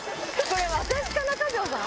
これ私か中条さん？